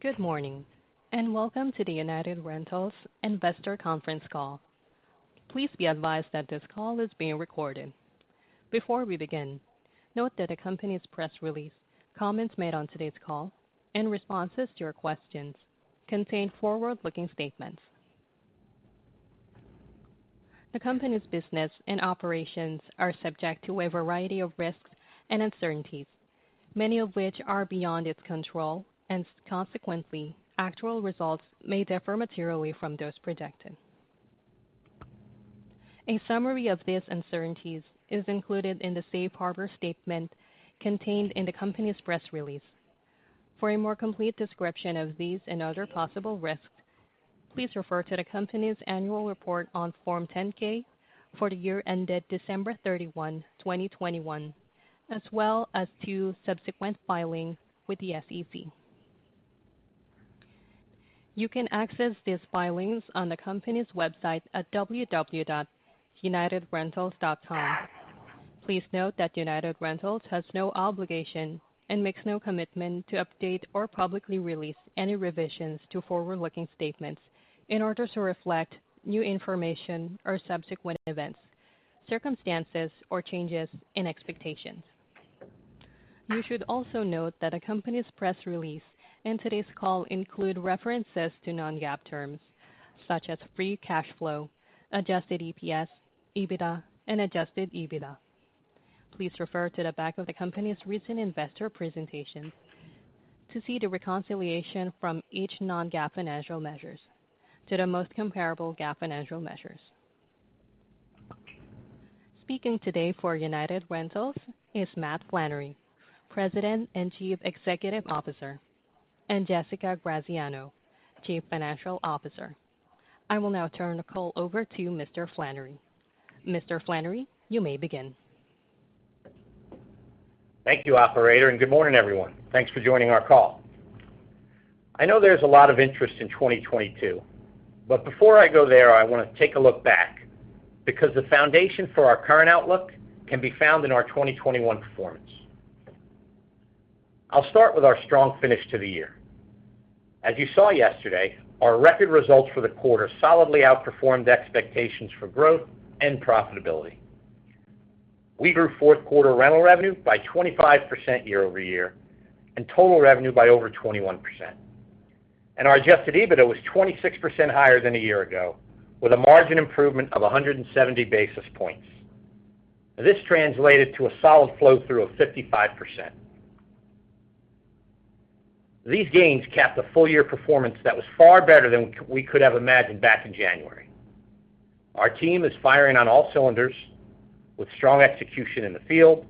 Good morning, and welcome to the United Rentals Investor Conference Call. Please be advised that this call is being recorded. Before we begin, note that the company's press release, comments made on today's call, and responses to your questions contain forward-looking statements. The company's business and operations are subject to a variety of risks and uncertainties, many of which are beyond its control, and consequently, actual results may differ materially from those projected. A summary of these uncertainties is included in the safe harbor statement contained in the company's press release. For a more complete description of these and other possible risks, please refer to the company's annual report on Form 10-K for the year ended December 31, 2021, as well as to subsequent filings with the SEC. You can access these filings on the company's website at www.unitedrentals.com. Please note that United Rentals has no obligation and makes no commitment to update or publicly release any revisions to forward-looking statements in order to reflect new information or subsequent events, circumstances, or changes in expectations. You should also note that a company's press release and today's call include references to non-GAAP terms such as free cash flow, adjusted EPS, EBITDA and adjusted EBITDA. Please refer to the back of the company's recent investor presentation to see the reconciliation from each non-GAAP financial measures to the most comparable GAAP financial measures. Speaking today for United Rentals is Matt Flannery, President and Chief Executive Officer, and Jessica Graziano, Chief Financial Officer. I will now turn the call over to Mr. Flannery. Mr. Flannery, you may begin. Thank you, operator, and good morning, everyone. Thanks for joining our call. I know there's a lot of interest in 2022, but before I go there, I wanna take a look back because the foundation for our current outlook can be found in our 2021 performance. I'll start with our strong finish to the year. As you saw yesterday, our record results for the quarter solidly outperformed expectations for growth and profitability. We grew fourth quarter rental revenue by 25% year-over-year and total revenue by over 21%. Our adjusted EBITDA was 26% higher than a year ago with a margin improvement of 170 basis points. This translated to a solid flow through of 55%. These gains cap the full year performance that was far better than we could have imagined back in January. Our team is firing on all cylinders with strong execution in the field,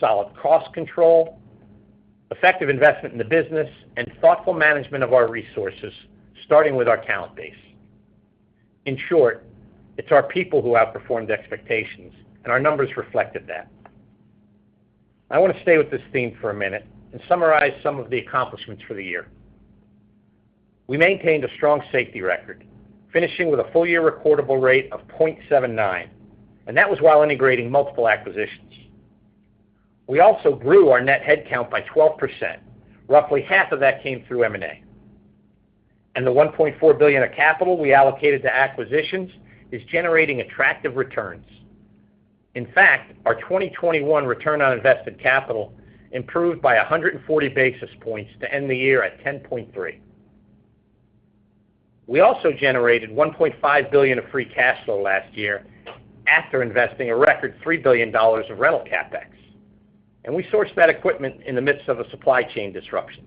solid cost control, effective investment in the business and thoughtful management of our resources, starting with our talent base. In short, it's our people who outperformed expectations and our numbers reflected that. I wanna stay with this theme for a minute and summarize some of the accomplishments for the year. We maintained a strong safety record, finishing with a full year recordable rate of 0.79, and that was while integrating multiple acquisitions. We also grew our net headcount by 12%. Roughly half of that came through M&A. The $1.4 billion of capital we allocated to acquisitions is generating attractive returns. In fact, our 2021 return on invested capital improved by 140 basis points to end the year at 10.3. We also generated $1.5 billion of free cash flow last year after investing a record $3 billion of rental CapEx, and we sourced that equipment in the midst of a supply chain disruption.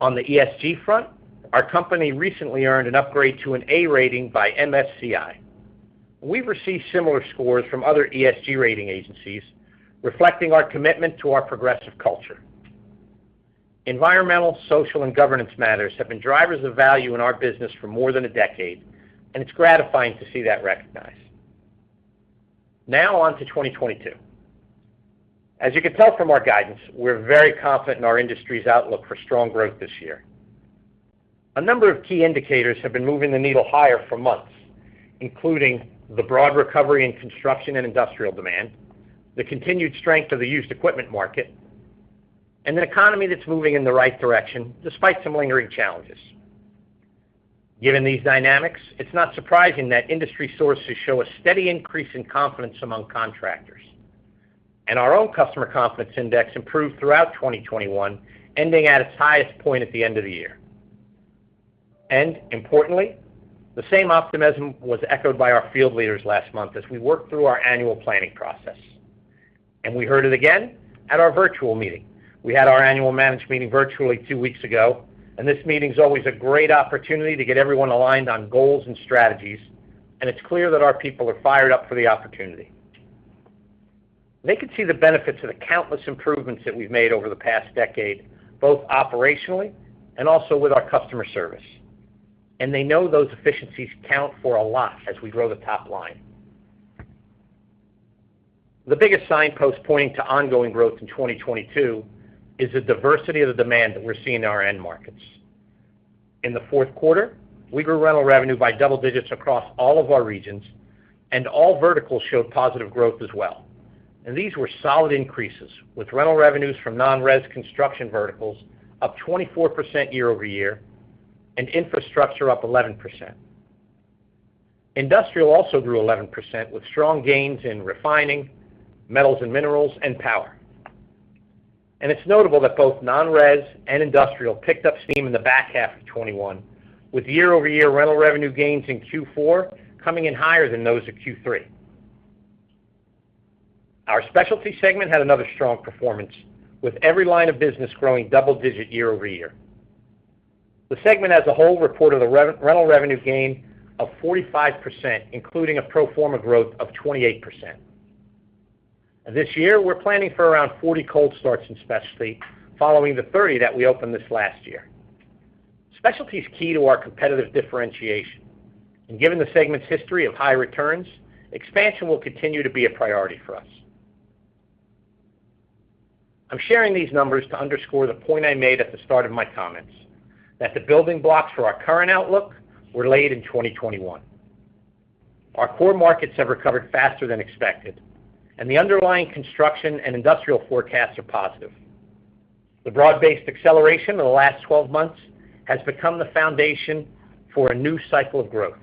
On the ESG front, our company recently earned an upgrade to an A rating by MSCI. We've received similar scores from other ESG rating agencies, reflecting our commitment to our progressive culture. Environmental, social and governance matters have been drivers of value in our business for more than a decade, and it's gratifying to see that recognized. Now on to 2022. As you can tell from our guidance, we're very confident in our industry's outlook for strong growth this year. A number of key indicators have been moving the needle higher for months, including the broad recovery in construction and industrial demand, the continued strength of the used equipment market, and an economy that's moving in the right direction despite some lingering challenges. Given these dynamics, it's not surprising that industry sources show a steady increase in confidence among contractors. Our own customer confidence index improved throughout 2021, ending at its highest point at the end of the year. Importantly, the same optimism was echoed by our field leaders last month as we worked through our annual planning process. We heard it again at our virtual meeting. We had our annual management meeting virtually two weeks ago, and this meeting's always a great opportunity to get everyone aligned on goals and strategies, and it's clear that our people are fired up for the opportunity. They could see the benefits of the countless improvements that we've made over the past decade, both operationally and also with our customer service. They know those efficiencies count for a lot as we grow the top line. The biggest signpost pointing to ongoing growth in 2022 is the diversity of the demand that we're seeing in our end markets. In the fourth quarter, we grew rental revenue by double digits across all of our regions, and all verticals showed positive growth as well. These were solid increases, with rental revenues from non-res construction verticals up 24% year-over-year and infrastructure up 11%. Industrial also grew 11% with strong gains in refining, metals and minerals and power. It's notable that both non-res and industrial picked up steam in the back half of 2021, with year-over-year rental revenue gains in Q4 coming in higher than those at Q3. Our specialty segment had another strong performance, with every line of business growing double-digit year-over-year. The segment as a whole reported a rental revenue gain of 45%, including a pro forma growth of 28%. This year, we're planning for around 40 cold starts in specialty, following the 30 that we opened this last year. Specialty is key to our competitive differentiation. Given the segment's history of high returns, expansion will continue to be a priority for us. I'm sharing these numbers to underscore the point I made at the start of my comments that the building blocks for our current outlook were laid in 2021. Our core markets have recovered faster than expected, and the underlying construction and industrial forecasts are positive. The broad-based acceleration in the last 12 months has become the foundation for a new cycle of growth.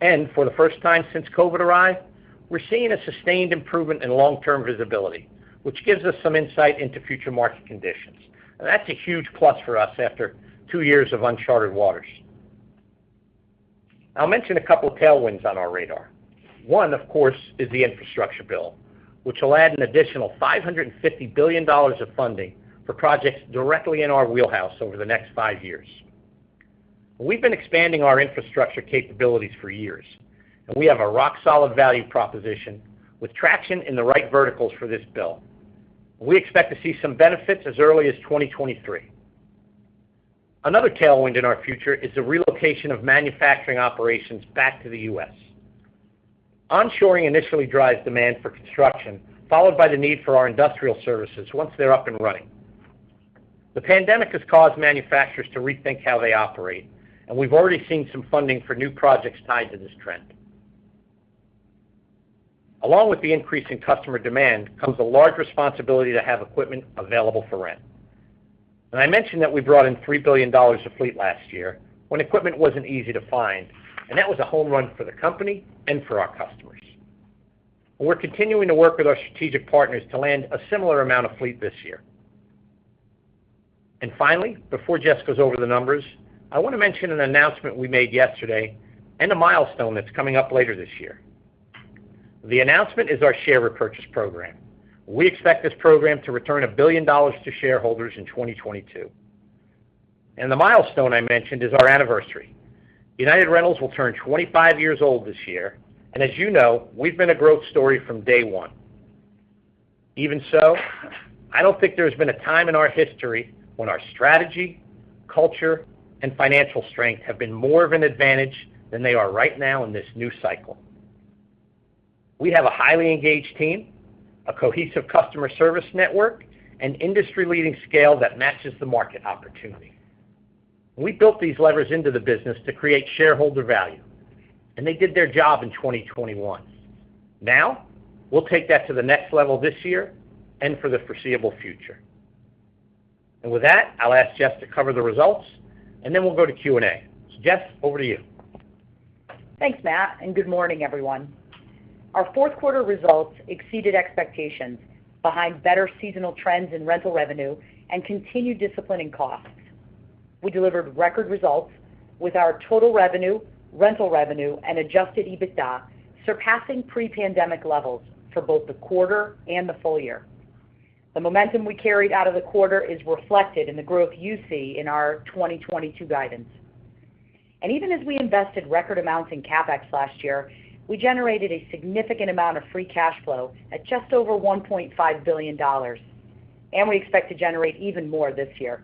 For the first time since COVID arrived, we're seeing a sustained improvement in long-term visibility, which gives us some insight into future market conditions. That's a huge plus for us after two years of uncharted waters. I'll mention a couple of tailwinds on our radar. One, of course, is the infrastructure bill, which will add an additional $550 billion of funding for projects directly in our wheelhouse over the next five years. We've been expanding our infrastructure capabilities for years, and we have a rock-solid value proposition with traction in the right verticals for this bill. We expect to see some benefits as early as 2023. Another tailwind in our future is the relocation of manufacturing operations back to the U.S. Onshoring initially drives demand for construction, followed by the need for our industrial services once they're up and running. The pandemic has caused manufacturers to rethink how they operate, and we've already seen some funding for new projects tied to this trend. Along with the increase in customer demand comes a large responsibility to have equipment available for rent. I mentioned that we brought in $3 billion of fleet last year when equipment wasn't easy to find, and that was a home run for the company and for our customers. We're continuing to work with our strategic partners to land a similar amount of fleet this year. Finally, before Jess goes over the numbers, I want to mention an announcement we made yesterday and a milestone that's coming up later this year. The announcement is our share repurchase program. We expect this program to return $1 billion to shareholders in 2022. The milestone I mentioned is our anniversary. United Rentals will turn 25 years old this year, and as you know, we've been a growth story from day one. Even so, I don't think there's been a time in our history when our strategy, culture, and financial strength have been more of an advantage than they are right now in this new cycle. We have a highly engaged team, a cohesive customer service network, and industry-leading scale that matches the market opportunity. We built these levers into the business to create shareholder value, and they did their job in 2021. Now, we'll take that to the next level this year and for the foreseeable future. With that, I'll ask Jess to cover the results, and then we'll go to Q&A. Jess, over to you. Thanks, Matt, and good morning, everyone. Our fourth quarter results exceeded expectations behind better seasonal trends in rental revenue and continued discipline in costs. We delivered record results with our total revenue, rental revenue, and adjusted EBITDA surpassing pre-pandemic levels for both the quarter and the full year. The momentum we carried out of the quarter is reflected in the growth you see in our 2022 guidance. Even as we invested record amounts in CapEx last year, we generated a significant amount of free cash flow at just over $1.5 billion, and we expect to generate even more this year.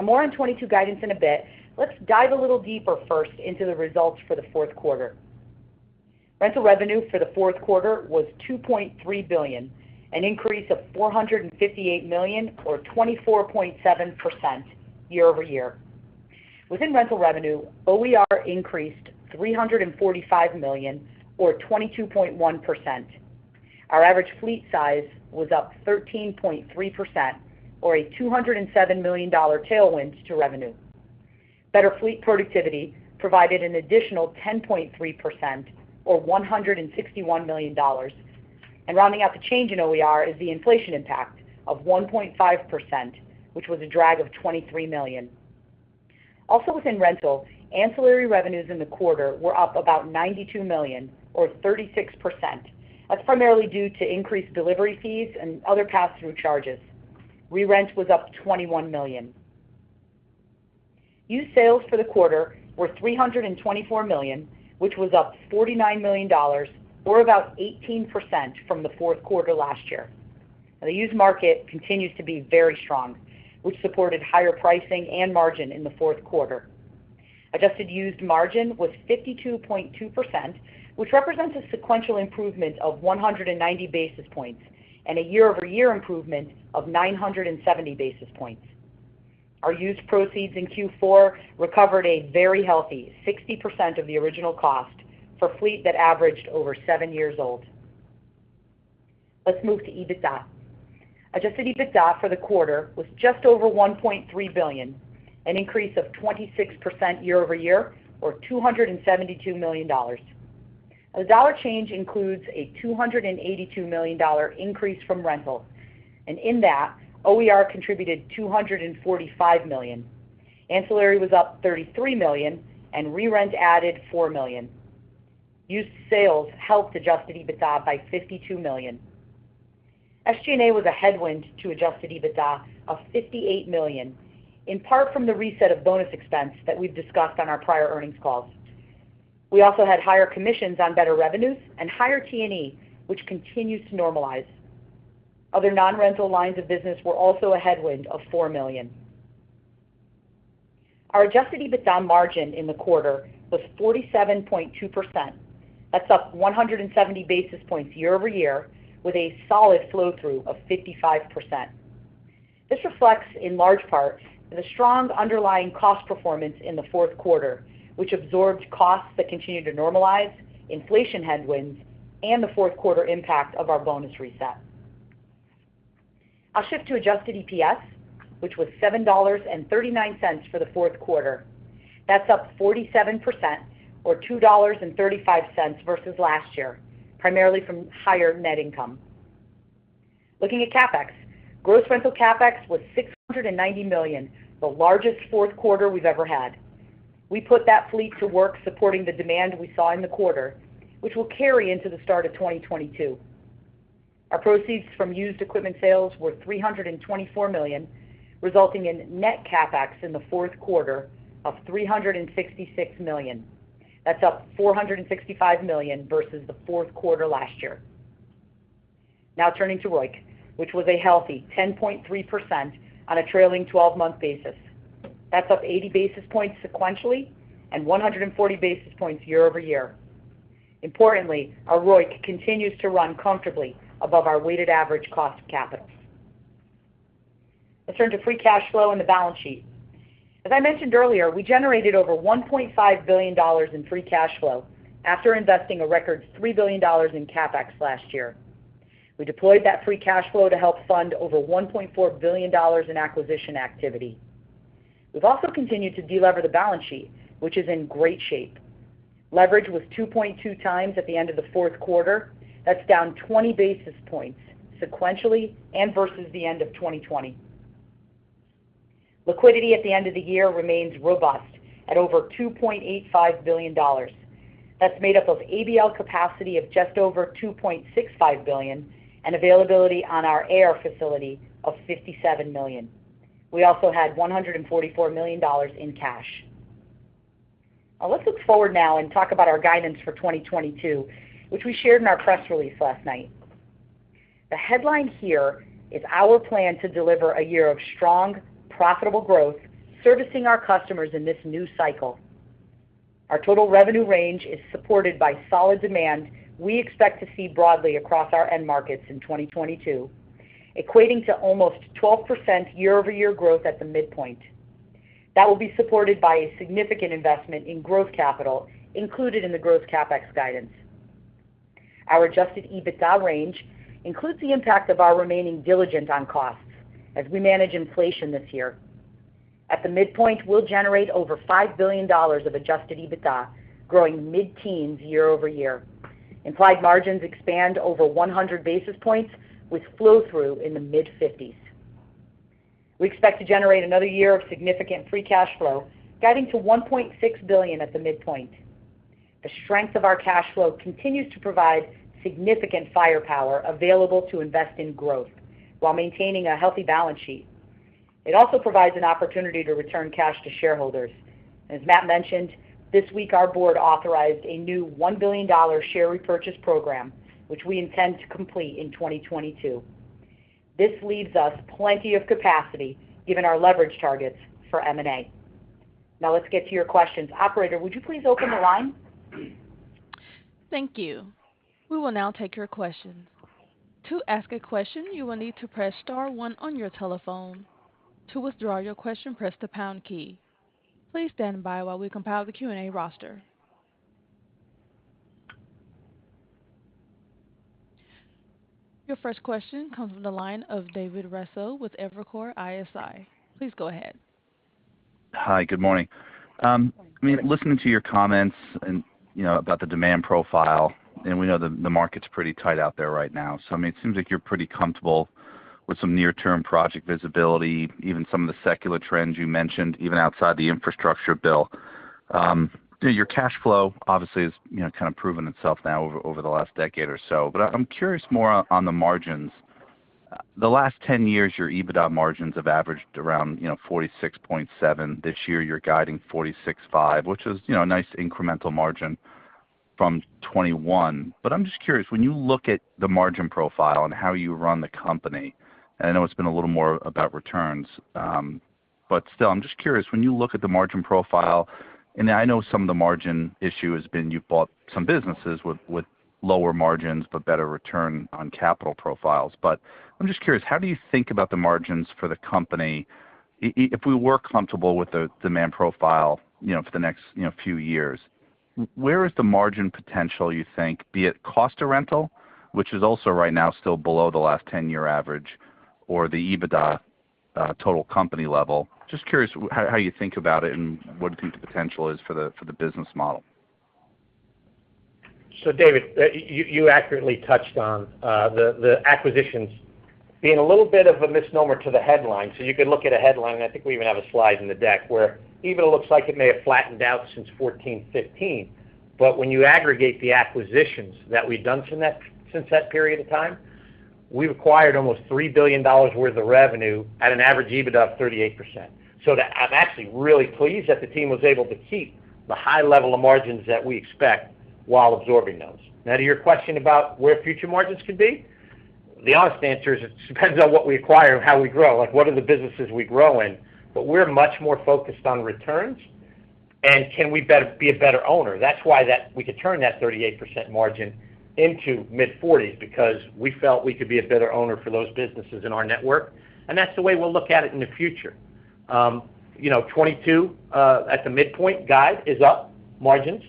More on 2022 guidance in a bit. Let's dive a little deeper first into the results for the fourth quarter. Rental revenue for the fourth quarter was $2.3 billion, an increase of $458 million or 24.7% year-over-year. Within rental revenue, OER increased $345 million or 22.1%. Our average fleet size was up 13.3% or a $207 million tailwind to revenue. Better fleet productivity provided an additional 10.3% or $161 million. Rounding out the change in OER is the inflation impact of 1.5%, which was a drag of $23 million. Also within rental, ancillary revenues in the quarter were up about $92 million or 36%. That's primarily due to increased delivery fees and other pass-through charges. Re-rent was up $21 million. Used sales for the quarter were $324 million, which was up $49 million or about 18% from the fourth quarter last year. The used market continues to be very strong, which supported higher pricing and margin in the fourth quarter. Adjusted used margin was 52.2%, which represents a sequential improvement of 190 basis points and a year-over-year improvement of 970 basis points. Our used proceeds in Q4 recovered a very healthy 60% of the original cost for fleet that averaged over seven years old. Let's move to EBITDA. Adjusted EBITDA for the quarter was just over $1.3 billion, an increase of 26% year-over-year or $272 million. The dollar change includes a $282 million increase from rental, and in that, OER contributed $245 million. Ancillary was up $33 million, and re-rent added $4 million. Used sales helped adjusted EBITDA by $52 million. SG&A was a headwind to adjusted EBITDA of $58 million, in part from the reset of bonus expense that we've discussed on our prior earnings calls. We also had higher commissions on better revenues and higher T&E, which continues to normalize. Other non-rental lines of business were also a headwind of $4 million. Our adjusted EBITDA margin in the quarter was 47.2%. That's up 170 basis points year-over-year with a solid flow-through of 55%. This reflects in large part the strong underlying cost performance in the fourth quarter, which absorbed costs that continued to normalize, inflation headwinds, and the fourth quarter impact of our bonus reset. I'll shift to adjusted EPS, which was $7.39 for the fourth quarter. That's up 47% or $2.35 versus last year, primarily from higher net income. Looking at CapEx, gross rental CapEx was $690 million, the largest fourth quarter we've ever had. We put that fleet to work supporting the demand we saw in the quarter, which will carry into the start of 2022. Our proceeds from used equipment sales were $324 million, resulting in net CapEx in the fourth quarter of $366 million. That's up $465 million versus the fourth quarter last year. Now turning to ROIC, which was a healthy 10.3% on a trailing 12-month basis. That's up 80 basis points sequentially and 140 basis points year-over-year. Importantly, our ROIC continues to run comfortably above our weighted average cost of capital. Let's turn to free cash flow and the balance sheet. As I mentioned earlier, we generated over $1.5 billion in free cash flow after investing a record $3 billion in CapEx last year. We deployed that free cash flow to help fund over $1.4 billion in acquisition activity. We've also continued to de-lever the balance sheet, which is in great shape. Leverage was 2.2x at the end of the fourth quarter. That's down 20 basis points sequentially and versus the end of 2020. Liquidity at the end of the year remains robust at over $2.85 billion. That's made up of ABL capacity of just over $2.65 billion and availability on our AR facility of $57 million. We also had $144 million in cash. Now let's look forward and talk about our guidance for 2022, which we shared in our press release last night. The headline here is our plan to deliver a year of strong, profitable growth servicing our customers in this new cycle. Our total revenue range is supported by solid demand we expect to see broadly across our end markets in 2022, equating to almost 12% year-over-year growth at the midpoint. That will be supported by a significant investment in growth capital included in the growth CapEx guidance. Our adjusted EBITDA range includes the impact of our remaining diligent on costs as we manage inflation this year. At the midpoint, we'll generate over $5 billion of adjusted EBITDA, growing mid-teens year-over-year. Implied margins expand over 100 basis points with flow-through in the mid-50s. We expect to generate another year of significant free cash flow, guiding to $1.6 billion at the midpoint. The strength of our cash flow continues to provide significant firepower available to invest in growth while maintaining a healthy balance sheet. It also provides an opportunity to return cash to shareholders. As Matt mentioned, this week our board authorized a new $1 billion share repurchase program, which we intend to complete in 2022. This leaves us plenty of capacity given our leverage targets for M&A. Now let's get to your questions. Operator, would you please open the line? Thank you. We will now take your questions. To ask a question, you will need to press star one on your telephone. To withdraw your question, press the pound key. Please stand by while we compile the Q&A roster. Your first question comes from the line of David Raso with Evercore ISI. Please go ahead. Hi. Good morning. I mean, listening to your comments and, you know, about the demand profile, and we know the market's pretty tight out there right now. I mean, it seems like you're pretty comfortable with some near-term project visibility, even some of the secular trends you mentioned, even outside the infrastructure bill. You know, your cash flow obviously has, you know, kind of proven itself now over the last decade or so. I'm curious more on the margins. The last 10 years, your EBITDA margins have averaged around, you know, 46.7%. This year you're guiding 46.5%, which is, you know, a nice incremental margin from 2021. I'm just curious when you look at the margin profile and how you run the company, and I know it's been a little more about returns. Still, I'm just curious when you look at the margin profile, and I know some of the margin issue has been you've bought some businesses with lower margins, but better return on capital profiles. I'm just curious how you think about the margins for the company. If we were comfortable with the demand profile, you know, for the next, you know, few years, where is the margin potential you think, be it cost to rental, which is also right now still below the last 10-year average or the EBITDA total company level. Just curious how you think about it and what you think the potential is for the business model. David, you accurately touched on the acquisitions being a little bit of a misnomer to the headline. You can look at a headline, and I think we even have a slide in the deck, where EBITDA looks like it may have flattened out since 2014-2015. When you aggregate the acquisitions that we've done since that period of time, we've acquired almost $3 billion worth of revenue at an average EBITDA of 38%. That I'm actually really pleased that the team was able to keep the high level of margins that we expect while absorbing those. Now to your question about where future margins could be, the honest answer is it depends on what we acquire and how we grow, like what are the businesses we grow in. We're much more focused on returns, and can we be a better owner. That's why we could turn that 38% margin into mid-40s because we felt we could be a better owner for those businesses in our network, and that's the way we'll look at it in the future. You know, 2022 at the midpoint guide is up, margins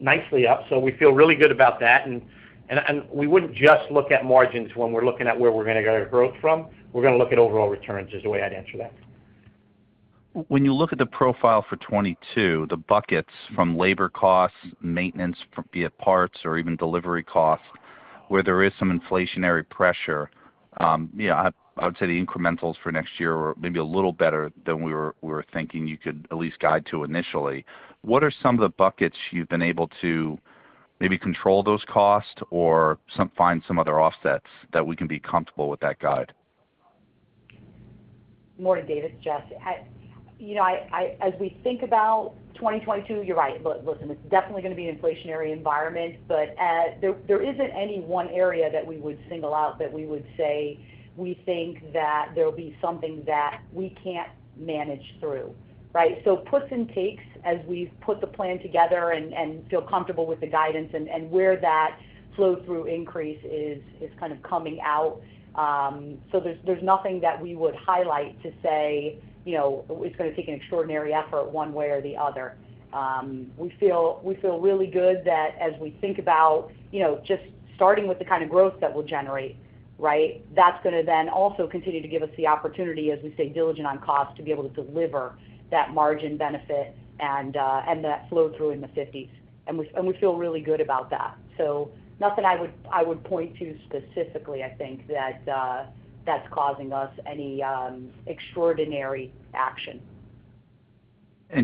nicely up, so we feel really good about that. We wouldn't just look at margins when we're looking at where we're gonna get our growth from. We're gonna look at overall returns is the way I'd answer that. When you look at the profile for 2022, the buckets from labor costs, maintenance, be it parts or even delivery costs, where there is some inflationary pressure, you know, I would say the incrementals for next year are maybe a little better than we were thinking you could at least guide to initially. What are some of the buckets you've been able to maybe control those costs or find some other offsets that we can be comfortable with that guide? More to David's gist. You know, as we think about 2022, you're right. Listen, it's definitely gonna be an inflationary environment, but there isn't any one area that we would single out that we would say we think that there'll be something that we can't manage through, right? Puts and takes as we've put the plan together and feel comfortable with the guidance and where that flow-through increase is kind of coming out. There's nothing that we would highlight to say, you know, it's gonna take an extraordinary effort one way or the other. We feel really good that as we think about, you know, just starting with the kind of growth that we'll generate, right? That's gonna then also continue to give us the opportunity, as we stay diligent on cost, to be able to deliver that margin benefit and that flow-through in the 50s. We feel really good about that. Nothing I would point to specifically, I think, that's causing us any extraordinary action.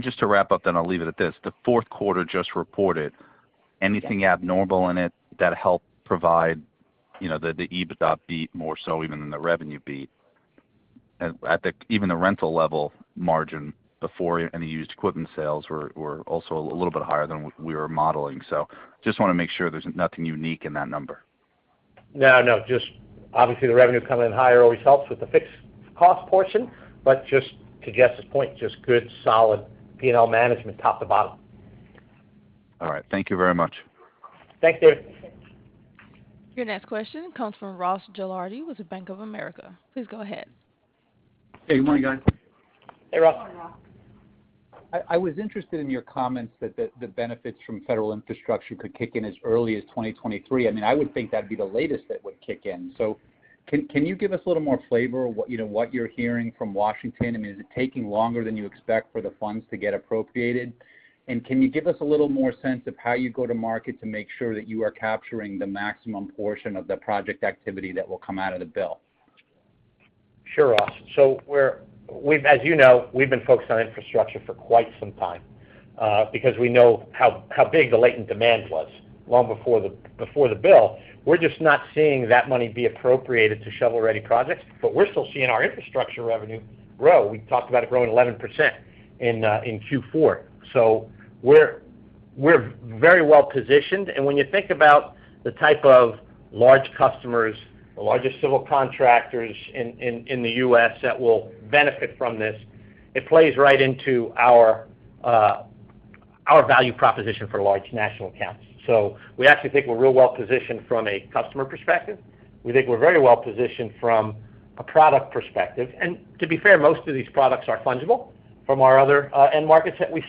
Just to wrap up, then I'll leave it at this. The fourth quarter just reported, anything abnormal in it that helped provide, you know, the EBITDA beat more so even than the revenue beat? Even the rental level margin before any used equipment sales were also a little bit higher than we were modeling. Just wanna make sure there's nothing unique in that number. No, no, just obviously the revenue coming in higher always helps with the fixed cost portion. Just to Jess's point, just good, solid P&L management, top to bottom. All right. Thank you very much. Thanks, David. Your next question comes from Ross Gilardi with Bank of America. Please go ahead. Hey, good morning, guys. Hey, Ross. Morning, Ross. I was interested in your comments that the benefits from federal infrastructure could kick in as early as 2023. I mean, I would think that'd be the latest it would kick in. Can you give us a little more flavor what you know what you're hearing from Washington? I mean, is it taking longer than you expect for the funds to get appropriated? Can you give us a little more sense of how you go to market to make sure that you are capturing the maximum portion of the project activity that will come out of the bill? Sure, Ross. As you know, we've been focused on infrastructure for quite some time, because we know how big the latent demand was long before the bill. We're just not seeing that money be appropriated to shovel-ready projects, but we're still seeing our infrastructure revenue grow. We talked about it growing 11% in Q4. We're very well-positioned. When you think about the type of large customers, the largest civil contractors in the U.S. that will benefit from this, it plays right into our value proposition for large national accounts. We actually think we're real well-positioned from a customer perspective. We think we're very well-positioned from a product perspective. To be fair, most of these products are fungible from our other end markets that we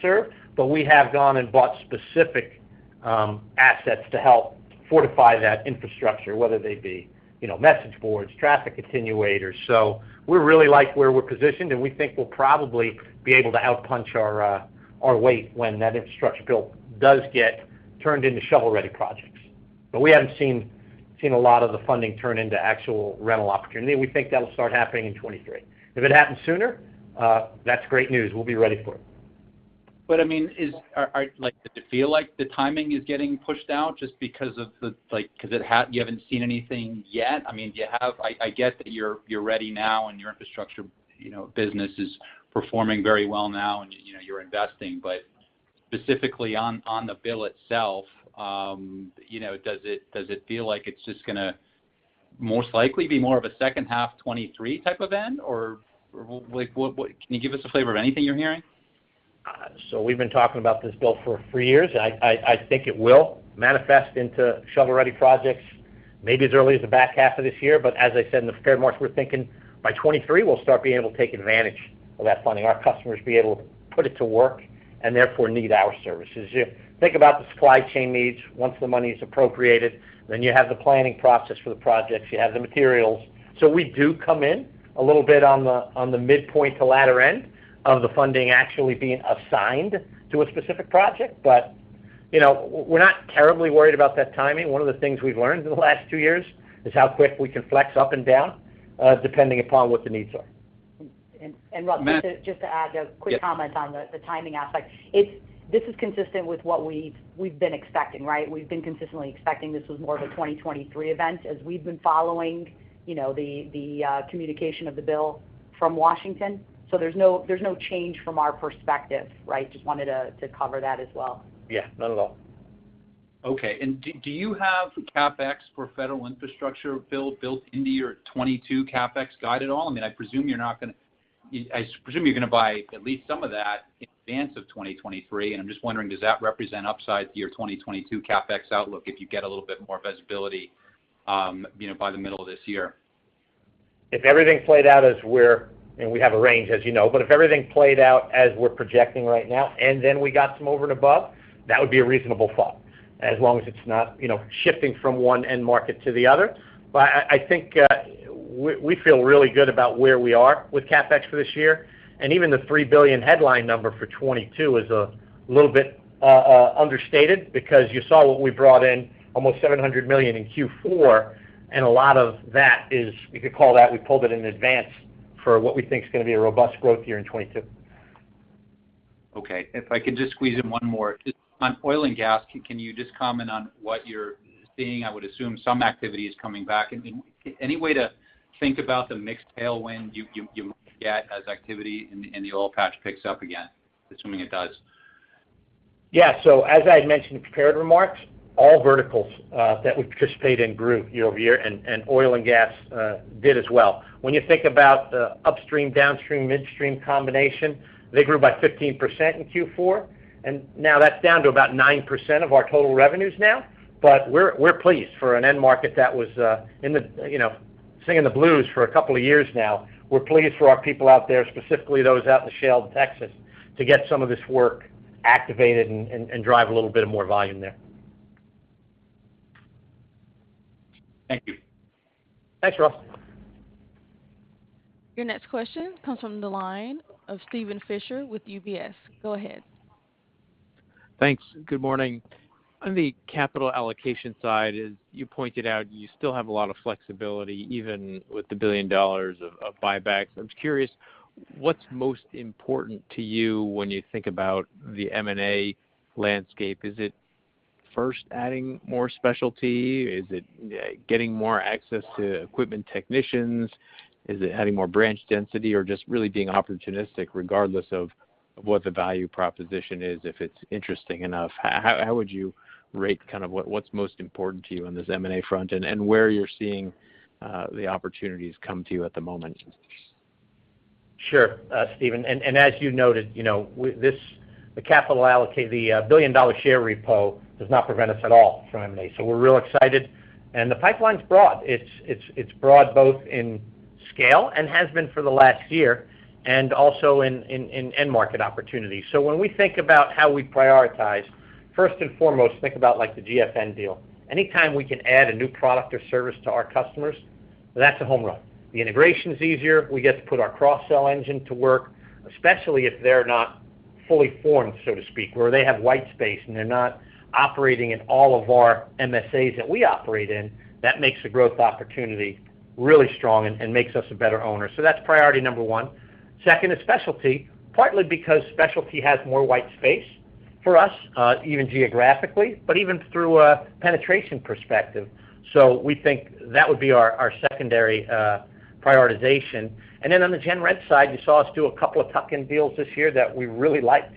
serve. We have gone and bought specific assets to help fortify that infrastructure, whether they be, you know, message boards, traffic attenuators. We really like where we're positioned, and we think we'll probably be able to outpunch our weight when that infrastructure bill does get turned into shovel-ready projects. We haven't seen a lot of the funding turn into actual rental opportunity. We think that'll start happening in 2023. If it happens sooner, that's great news. We'll be ready for it. I mean, does it feel like the timing is getting pushed out just because you haven't seen anything yet? I get that you're ready now and your infrastructure, you know, business is performing very well now and, you know, you're investing. Specifically on the bill itself, you know, does it feel like it's just gonna most likely be more of a second half 2023 type event or like what? Can you give us a flavor of anything you're hearing? We've been talking about this bill for three years. I think it will manifest into shovel-ready projects maybe as early as the back half of this year. As I said in the prepared remarks, we're thinking by 2023 we'll start being able to take advantage of that funding. Our customers will be able to put it to work, and therefore need our services. You think about the supply chain needs once the money's appropriated, then you have the planning process for the projects, you have the materials. We do come in a little bit on the midpoint to latter end of the funding actually being assigned to a specific project. You know, we're not terribly worried about that timing. One of the things we've learned in the last two years is how quick we can flex up and down, depending upon what the needs are. Ross, just to add a quick comment. Yes. On the timing aspect. It's this is consistent with what we've been expecting, right? We've been consistently expecting this was more of a 2023 event as we've been following, you know, the communication of the bill from Washington. There's no change from our perspective, right? Just wanted to cover that as well. Yeah. Not at all. Okay. Do you have CapEx for federal infrastructure bill built into your 2022 CapEx guide at all? I mean, I presume you're gonna buy at least some of that in advance of 2023, and I'm just wondering, does that represent upside to your 2022 CapEx outlook if you get a little bit more visibility, you know, by the middle of this year? We have a range, as you know. If everything played out as we're projecting right now, and then we got some over and above, that would be a reasonable thought, as long as it's not, you know, shifting from one end market to the other. I think we feel really good about where we are with CapEx for this year. Even the $3 billion headline number for 2022 is a little bit understated because you saw what we brought in, almost $700 million in Q4, and a lot of that is, you could call that, we pulled it in advance for what we think is gonna be a robust growth year in 2022. Okay. If I could just squeeze in one more. Just on oil and gas, can you just comment on what you're seeing? I would assume some activity is coming back. Any way to think about the mixed tailwind you might get as activity in the oil patch picks up again, assuming it does? Yeah. As I had mentioned in the prepared remarks, all verticals that we participate in grew year-over-year and oil and gas did as well. When you think about the upstream, downstream, midstream combination, they grew by 15% in Q4. Now that's down to about 9% of our total revenues now. We're pleased for an end market that was in the you know, singing the blues for a couple of years now. We're pleased for our people out there, specifically those out in the shale in Texas, to get some of this work activated and drive a little bit of more volume there. Thank you. Thanks, Ross. Your next question comes from the line of Steven Fisher with UBS. Go ahead. Thanks. Good morning. On the capital allocation side, as you pointed out, you still have a lot of flexibility, even with the $1 billion of buybacks. I'm just curious, what's most important to you when you think about the M&A landscape? Is it first adding more specialty? Is it getting more access to equipment technicians? Is it having more branch density or just really being opportunistic regardless of what the value proposition is, if it's interesting enough? How would you rate kind of what's most important to you on this M&A front and where you're seeing the opportunities come to you at the moment? Sure, Steven. As you noted, you know, with this, the capital allocation, the billion-dollar share repurchase does not prevent us at all from M&A, so we're real excited. The pipeline's broad. It's broad both in scale, and has been for the last year, and also in end market opportunities. When we think about how we prioritize, first and foremost, think about like the GFN deal. Anytime we can add a new product or service to our customers, that's a home run. The integration's easier. We get to put our cross-sell engine to work, especially if they're not fully formed, so to speak, where they have white space and they're not operating in all of our MSAs that we operate in. That makes the growth opportunity really strong and makes us a better owner. That's priority number one. Second is specialty, partly because specialty has more white space for us, even geographically, but even through a penetration perspective. We think that would be our secondary prioritization. On the gen rent side, you saw us do a couple of tuck-in deals this year that we really liked.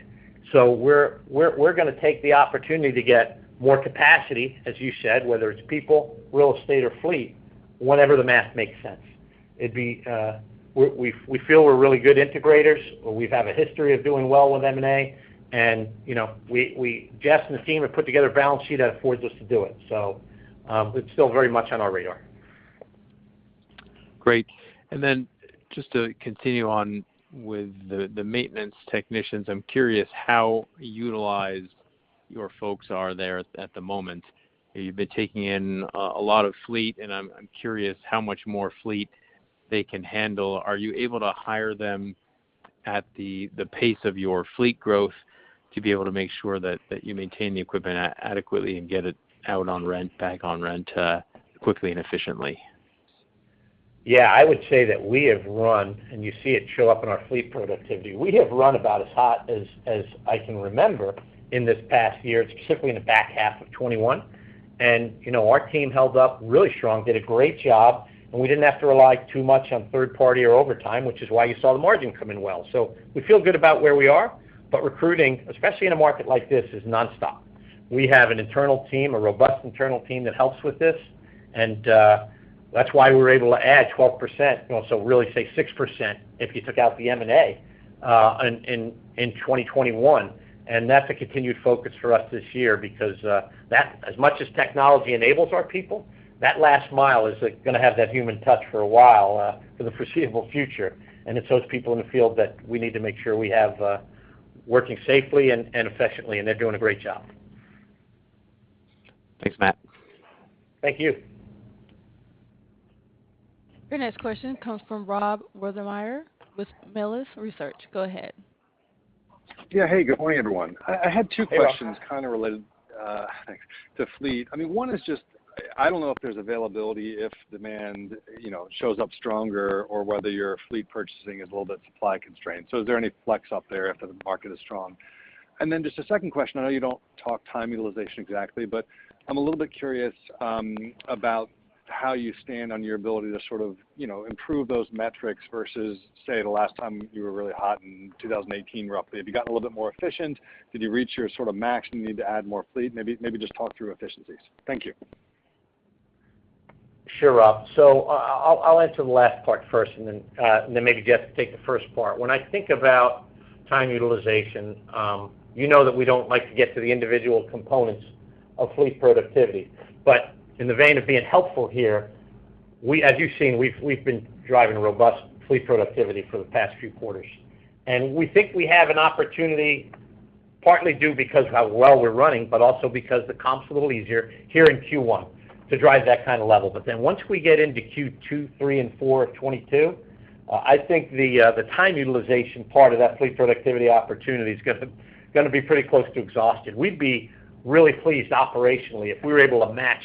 We're gonna take the opportunity to get more capacity, as you said, whether it's people, real estate or fleet, whenever the math makes sense. We feel we're really good integrators. We have a history of doing well with M&A and, you know, Jess and the team have put together a balance sheet that affords us to do it, so it's still very much on our radar. Great. Then just to continue on with the maintenance technicians, I'm curious how utilized your folks are there at the moment. You've been taking in a lot of fleet, and I'm curious how much more fleet they can handle. Are you able to hire them at the pace of your fleet growth to be able to make sure that you maintain the equipment adequately and get it out on rent, back on rent, quickly and efficiently? Yeah. I would say that we have run, and you see it show up in our fleet productivity, we have run about as hot as I can remember in this past year, specifically in the back half of 2021. You know, our team held up really strong, did a great job, and we didn't have to rely too much on third party or overtime, which is why you saw the margin come in well. We feel good about where we are, but recruiting, especially in a market like this, is nonstop. We have an internal team, a robust internal team that helps with this, and that's why we were able to add 12%, you know, so really say 6% if you took out the M&A in 2021. That's a continued focus for us this year because that as much as technology enables our people, that last mile is, like, gonna have that human touch for a while, for the foreseeable future. It's those people in the field that we need to make sure we have working safely and efficiently, and they're doing a great job. Thanks, Matt. Thank you. Your next question comes from Rob Wertheimer with Melius Research. Go ahead. Yeah. Hey, good morning, everyone. Hey, Rob. I had two questions kind of related to fleet. I mean, one is just, I don't know if there's availability if demand, you know, shows up stronger, or whether your fleet purchasing is a little bit supply constrained. Is there any flex up there if the market is strong? Then just a second question, I know you don't talk time utilization exactly, but I'm a little bit curious about how you stand on your ability to sort of, you know, improve those metrics versus, say, the last time you were really hot in 2018, roughly. Have you gotten a little bit more efficient? Did you reach your sort of max and you need to add more fleet? Maybe just talk through efficiencies. Thank you. Sure, Rob. I'll answer the last part first and then maybe Jess could take the first part. When I think about time utilization, you know that we don't like to get to the individual components of fleet productivity. In the vein of being helpful here, as you've seen, we've been driving robust fleet productivity for the past few quarters. We think we have an opportunity partly due because of how well we're running, but also because the comp's a little easier here in Q1 to drive that kind of level. Once we get into Q2, Q3, and Q4 of 2022, I think the time utilization part of that fleet productivity opportunity is gonna be pretty close to exhausted. We'd be really pleased operationally if we were able to match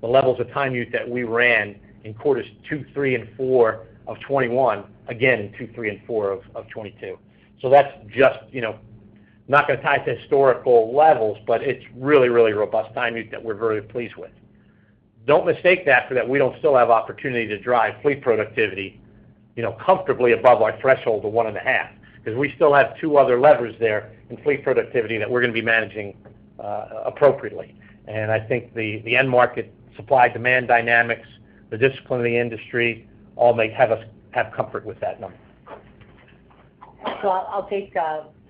the levels of time utilization that we ran in quarters two, three, and four of 2021, again in two, three and four of 2022. That's just, you know, not gonna tie to historical levels, but it's really, really robust utilization that we're very pleased with. Don't mistake that for the fact that we don't still have opportunity to drive fleet productivity, you know, comfortably above our threshold of 1.5, 'cause we still have two other levers there in fleet productivity that we're gonna be managing appropriately. I think the end market supply-demand dynamics, the discipline of the industry all make us have comfort with that number. I'll take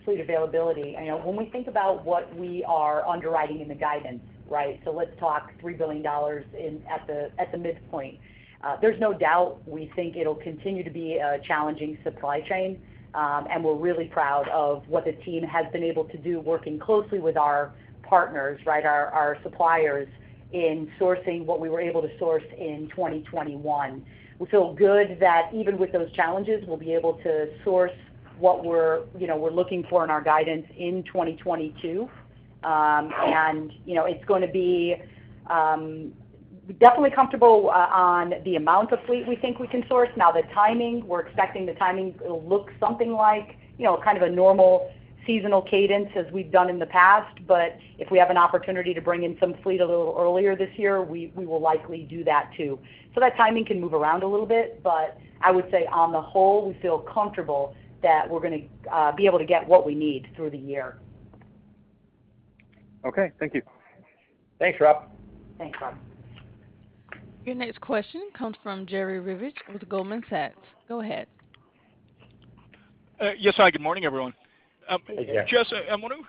fleet availability. You know, when we think about what we are underwriting in the guidance, right? Let's talk $3 billion at the midpoint. There's no doubt we think it'll continue to be a challenging supply chain, and we're really proud of what the team has been able to do working closely with our partners, right, our suppliers in sourcing what we were able to source in 2021. We feel good that even with those challenges, we'll be able to source what we're looking for in our guidance in 2022. You know, it's gonna be definitely comfortable on the amount of fleet we think we can source. Now the timing, we're expecting the timing it'll look something like, you know, kind of a normal seasonal cadence as we've done in the past, but if we have an opportunity to bring in some fleet a little earlier this year, we will likely do that too. So that timing can move around a little bit, but I would say on the whole, we feel comfortable that we're gonna be able to get what we need through the year. Okay. Thank you. Thanks, Rob. Thanks, Rob. Your next question comes from Jerry Revich with Goldman Sachs. Go ahead. Yes. Hi, good morning, everyone. Hey, Jerry. Jess, I'm wondering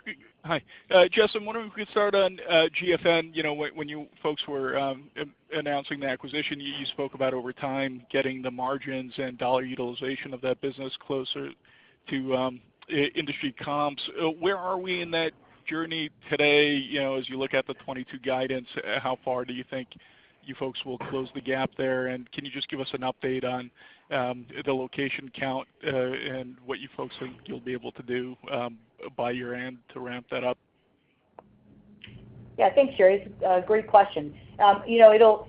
if we could start on GFN. You know, when you folks were announcing the acquisition, you spoke about over time getting the margins and dollar utilization of that business closer to industry comps. Where are we in that journey today, you know, as you look at the 2022 guidance? How far do you think you folks will close the gap there? Can you just give us an update on the location count, and what you folks think you'll be able to do by year-end to ramp that up? Yeah. Thanks, Jerry. It's a great question. You know,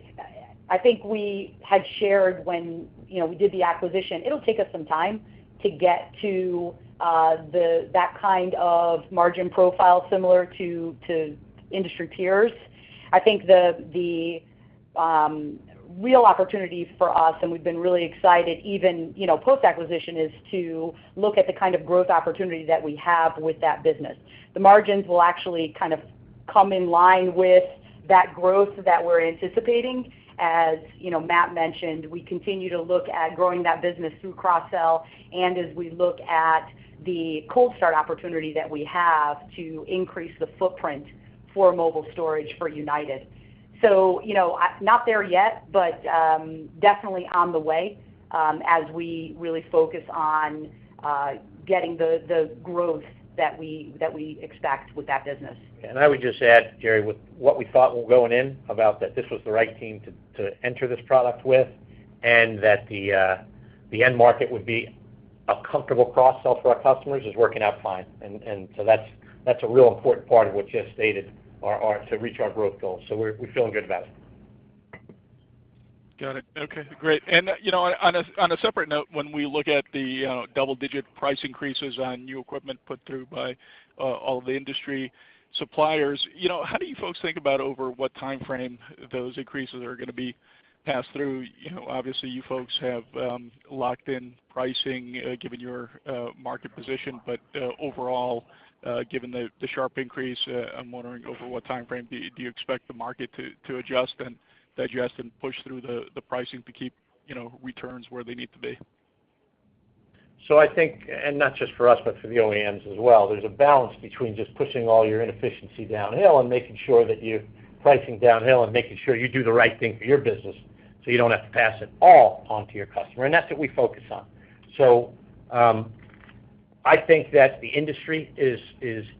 I think we had shared when, you know, we did the acquisition, it'll take us some time to get to that kind of margin profile similar to industry peers. I think the real opportunity for us, and we've been really excited even, you know, post-acquisition, is to look at the kind of growth opportunity that we have with that business. The margins will actually kind of come in line with that growth that we're anticipating. As you know, Matt mentioned, we continue to look at growing that business through cross-sell, and as we look at the cold start opportunity that we have to increase the footprint for mobile storage for United. You know, not there yet, but definitely on the way, as we really focus on getting the growth that we expect with that business. I would just add, Jerry, with what we thought when going in about that this was the right team to enter this product with, and that the end market would be a comfortable cross-sell for our customers is working out fine. That's a real important part of what Jess stated are to reach our growth goals. We're feeling good about it. Got it. Okay, great. You know, on a separate note, when we look at the double-digit price increases on new equipment put through by all the industry suppliers, you know, how do you folks think about over what timeframe those increases are gonna be passed through? You know, obviously, you folks have locked in pricing given your market position. Overall, given the sharp increase, I'm wondering over what timeframe do you expect the market to adjust and digest and push through the pricing to keep, you know, returns where they need to be? I think, and not just for us, but for the OEMs as well, there's a balance between just pushing all your inefficiency downhill and making sure that you're pricing downhill and making sure you do the right thing for your business, so you don't have to pass it all onto your customer. That's what we focus on. I think that the industry is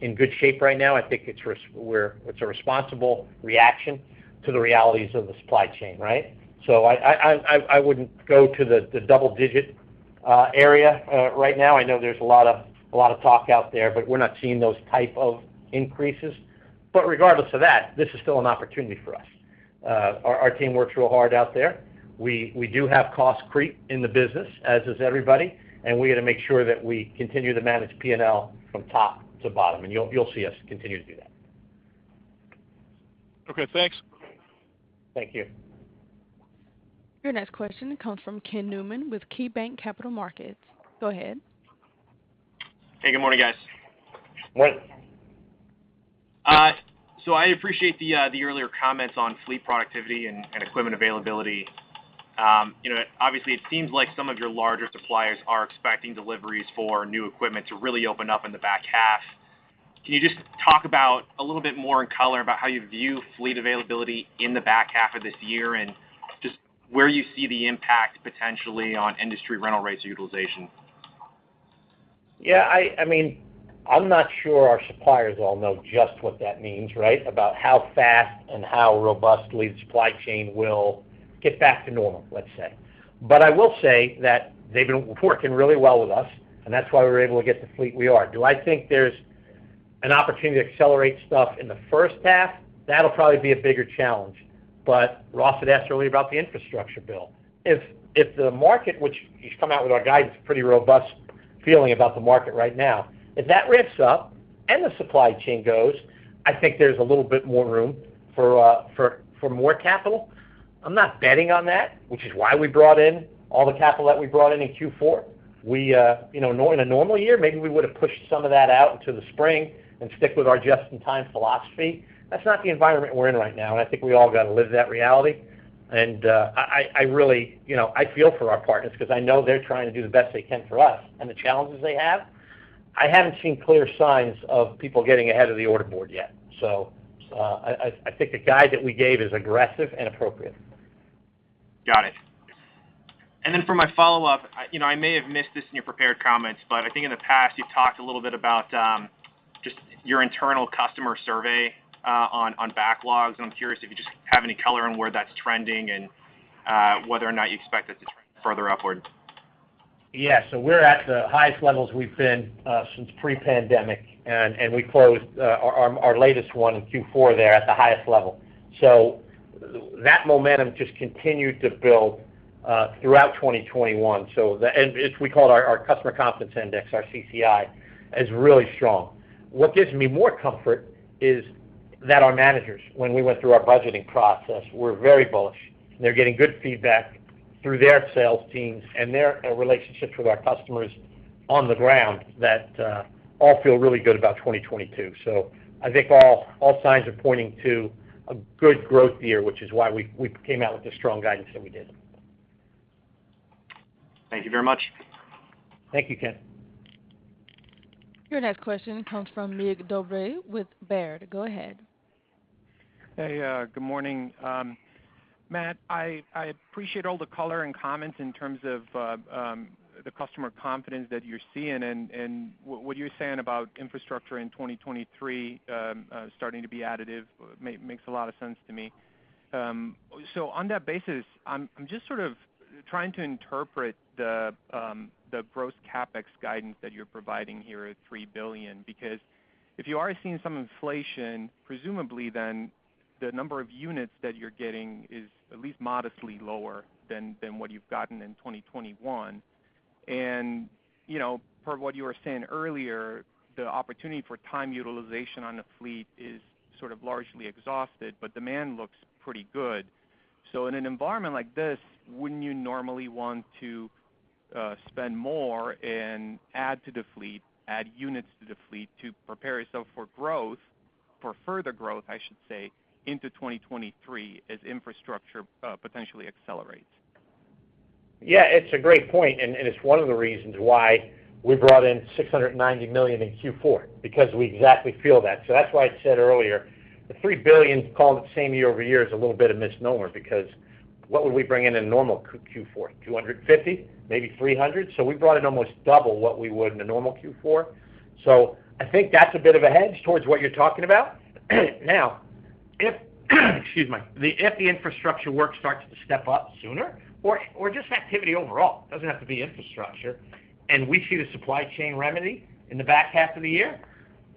in good shape right now. I think it's a responsible reaction to the realities of the supply chain, right? I wouldn't go to the double digit area right now. I know there's a lot of talk out there, but we're not seeing those type of increases. Regardless of that, this is still an opportunity for us. Our team works real hard out there. We do have cost creep in the business, as does everybody. We gotta make sure that we continue to manage P&L from top to bottom. You'll see us continue to do that. Okay, thanks. Thank you. Your next question comes from Ken Newman with KeyBanc Capital Markets. Go ahead. Hey, good morning, guys. Morning. I appreciate the earlier comments on fleet productivity and equipment availability. You know, obviously, it seems like some of your larger suppliers are expecting deliveries for new equipment to really open up in the back half. Can you just talk about a little bit more in color about how you view fleet availability in the back half of this year and just where you see the impact potentially on industry rental rates utilization? Yeah, I mean, I'm not sure our suppliers all know just what that means, right? About how fast and how robustly the supply chain will get back to normal, let's say. I will say that they've been working really well with us, and that's why we were able to get the fleet we are. Do I think there's an opportunity to accelerate stuff in the first half? That'll probably be a bigger challenge. Ross had asked earlier about the infrastructure bill. If the market, which we've come out with our guidance, a pretty robust feeling about the market right now. If that ramps up and the supply chain goes, I think there's a little bit more room for more capital. I'm not betting on that, which is why we brought in all the capital that we brought in in Q4. We, you know, in a normal year, maybe we would've pushed some of that out into the spring and stick with our just in time philosophy. That's not the environment we're in right now. I really, you know, I feel for our partners because I know they're trying to do the best they can for us and the challenges they have. I haven't seen clear signs of people getting ahead of the order board yet. I think the guide that we gave is aggressive and appropriate. Got it. For my follow-up, you know, I may have missed this in your prepared comments, but I think in the past you've talked a little bit about just your internal customer survey on backlogs. I'm curious if you just have any color on where that's trending and whether or not you expect it to trend further upward. Yeah. We're at the highest levels we've been since pre-pandemic, and we closed our latest one in Q4 there at the highest level. That momentum just continued to build throughout 2021. It's what we call our customer confidence index, our CCI, is really strong. What gives me more comfort is that our managers, when we went through our budgeting process, we're very bullish. They're getting good feedback through their sales teams and their relationships with our customers on the ground that all feel really good about 2022. I think all signs are pointing to a good growth year, which is why we came out with the strong guidance that we did. Thank you very much. Thank you, Ken. Your next question comes from Mircea Dobre with Baird. Go ahead. Hey, good morning. Matt, I appreciate all the color and comments in terms of the customer confidence that you're seeing. What you're saying about infrastructure in 2023 starting to be additive makes a lot of sense to me. On that basis, I'm just sort of trying to interpret the gross CapEx guidance that you're providing here at $3 billion. Because if you are seeing some inflation, presumably then the number of units that you're getting is at least modestly lower than what you've gotten in 2021. You know, per what you were saying earlier, the opportunity for time utilization on the fleet is sort of largely exhausted, but demand looks pretty good. In an environment like this, wouldn't you normally want to spend more and add units to the fleet to prepare yourself for growth, for further growth, I should say, into 2023 as infrastructure potentially accelerates? Yeah, it's a great point, and it's one of the reasons why we brought in $690 million in Q4, because we exactly feel that. That's why I said earlier, the $3 billion called the same year-over-year is a little bit of a misnomer because what would we bring in a normal Q4? $250 million, maybe $300 million. We brought in almost double what we would in a normal Q4. I think that's a bit of a hedge towards what you're talking about. Now, excuse me, if the infrastructure work starts to step up sooner or just activity overall, it doesn't have to be infrastructure, and we see the supply chain remedy in the back half of the year,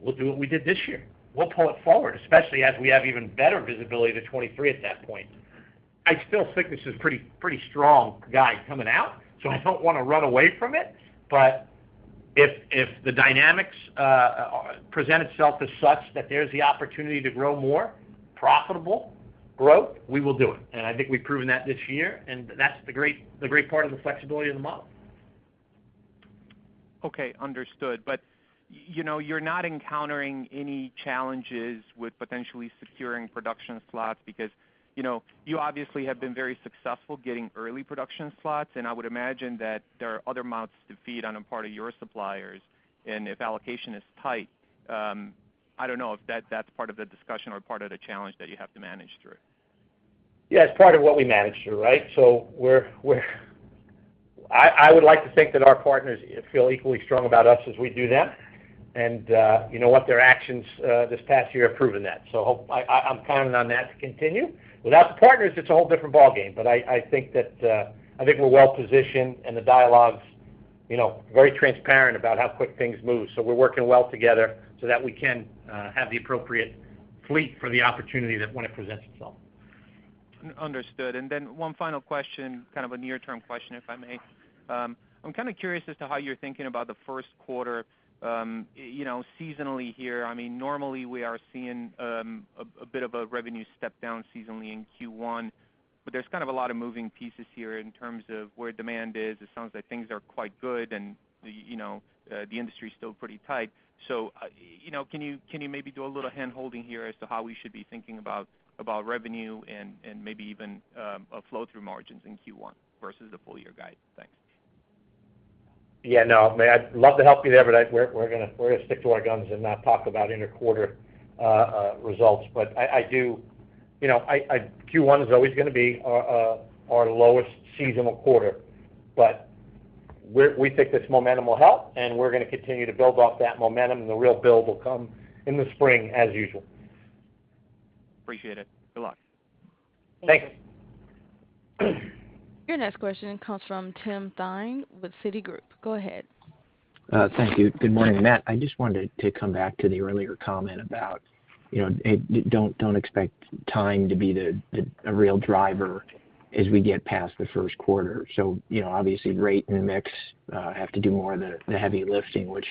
we'll do what we did this year. We'll pull it forward, especially as we have even better visibility to 2023 at that point. I still think this is pretty strong guide coming out, so I don't want to run away from it. But if the dynamics present itself as such that there's the opportunity to grow more profitable growth, we will do it. I think we've proven that this year, and that's the great part of the flexibility of the model. Okay, understood. You know, you're not encountering any challenges with potentially securing production slots because, you know, you obviously have been very successful getting early production slots, and I would imagine that there are other mouths to feed on the part of your suppliers. If allocation is tight, I don't know if that's part of the discussion or part of the challenge that you have to manage through. Yeah, it's part of what we manage through, right? I would like to think that our partners feel equally strong about us as we do them. You know what? Their actions this past year have proven that. I'm counting on that to continue. Without the partners, it's a whole different ballgame. I think we're well positioned and the dialogue's, you know, very transparent about how quick things move. We're working well together so that we can have the appropriate fleet for the opportunity that when it presents itself. Understood. One final question, kind of a near-term question, if I may. I'm kind of curious as to how you're thinking about the first quarter, you know, seasonally here. I mean, normally, we are seeing a bit of a revenue step down seasonally in Q1, but there's kind of a lot of moving pieces here in terms of where demand is. It sounds like things are quite good and, you know, the industry is still pretty tight. You know, can you maybe do a little handholding here as to how we should be thinking about revenue and maybe even a flow-through margins in Q1 versus the full-year guide? Thanks. Yeah, no, I'd love to help you there, but we're gonna stick to our guns and not talk about inter-quarter results. I do, you know, Q1 is always gonna be our lowest seasonal quarter. We think this momentum will help, and we're gonna continue to build off that momentum, and the real build will come in the spring as usual. Appreciate it. Good luck. Thanks. Your next question comes from Tim Thein with Citigroup. Go ahead. Thank you. Good morning, Matt. I just wanted to come back to the earlier comment about, you know, don't expect time to be a real driver as we get past the first quarter. You know, obviously, rate and mix have to do more of the heavy lifting, which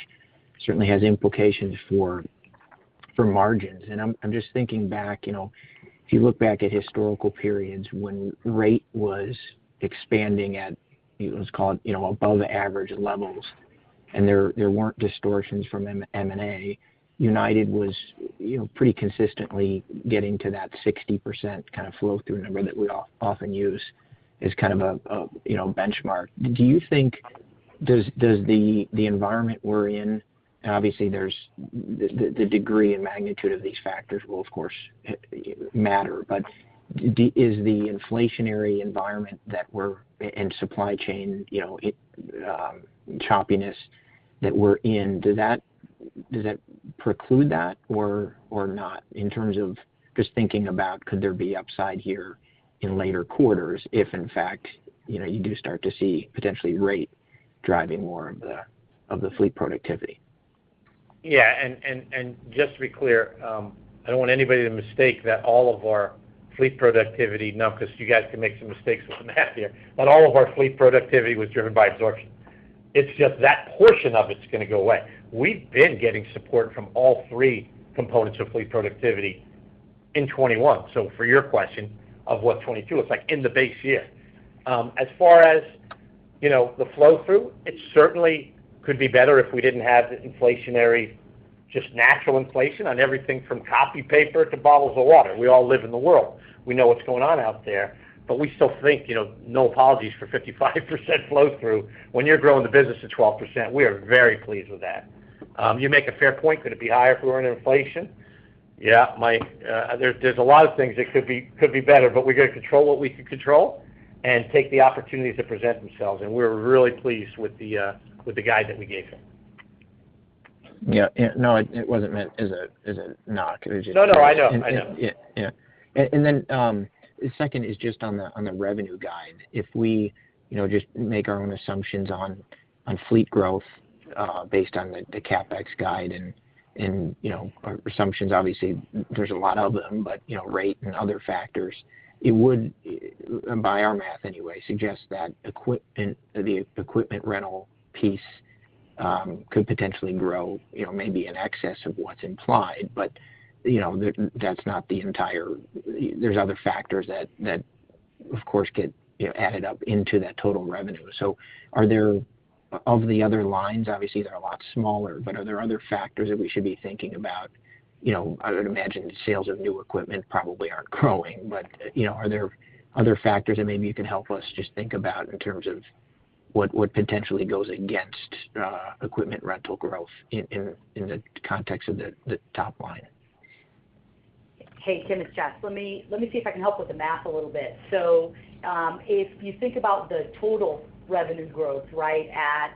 certainly has implications for margins. I'm just thinking back, you know, if you look back at historical periods when rate was expanding at, let's call it, you know, above average levels, and there weren't distortions from M&A, United was, you know, pretty consistently getting to that 60% kind of flow through number that we often use as kind of a benchmark. Do you think, does the environment we're in, and obviously there's the degree and magnitude of these factors will, of course, matter. Is the inflationary environment that we're in, supply chain choppiness that we're in, does that preclude that or not in terms of just thinking about could there be upside here in later quarters if in fact, you know, you do start to see potentially rate driving more of the fleet productivity? Yeah. Just to be clear, I don't want anybody to mistake that all of our fleet productivity, no, because you guys can make some mistakes with the math here, but all of our fleet productivity was driven by absorption. It's just that portion of it is going to go away. We've been getting support from all three components of fleet productivity in 2021. For your question of what 2022 looks like in the base year. As far as, you know, the flow-through, it certainly could be better if we didn't have the inflation, just natural inflation on everything from copy paper to bottles of water. We all live in the world. We know what's going on out there, but we still think, you know, no apologies for 55% flow-through. When you're growing the business at 12%, we are very pleased with that. You make a fair point. Could it be higher if we weren't in inflation? Yeah. There's a lot of things that could be better, but we got to control what we could control and take the opportunities that present themselves. We're really pleased with the guide that we gave here. Yeah. No, it wasn't meant as a knock. It was just. No, no, I know. I know. Yeah. Second is just on the revenue guide. If we, you know, just make our own assumptions on fleet growth, based on the CapEx guide and, you know, our assumptions, obviously, there's a lot of them, but, you know, rate and other factors, it would, by our math anyway, suggest that the equipment rental piece could potentially grow, you know, maybe in excess of what's implied. That's not the entire. There's other factors that, of course, get, you know, added up into that total revenue. Of the other lines, obviously, they're a lot smaller, but are there other factors that we should be thinking about? You know, I would imagine sales of new equipment probably aren't growing. You know, are there other factors that maybe you can help us just think about in terms of what potentially goes against equipment rental growth in the context of the top line? Hey, Tim, it's Jess. Let me see if I can help with the math a little bit. If you think about the total revenue growth right at,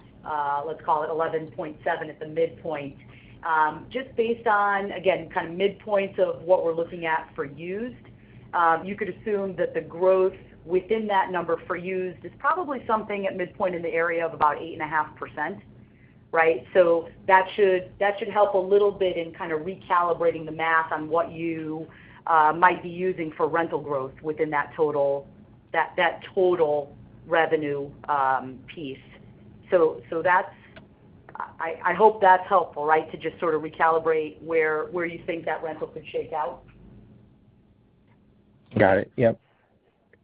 let's call it 11.7% at the midpoint, just based on, again, kind of midpoints of what we're looking at for used, you could assume that the growth within that number for used is probably something at midpoint in the area of about 8.5%, right? That should help a little bit in kind of recalibrating the math on what you might be using for rental growth within that total revenue piece. That's. I hope that's helpful, right? To just sort of recalibrate where you think that rental could shake out. Got it. Yep.